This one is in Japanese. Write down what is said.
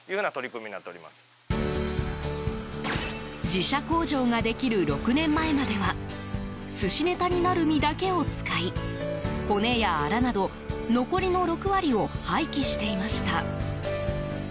自社工場ができる６年前までは寿司ネタになる身だけを使い骨やアラなど残りの６割を廃棄していました。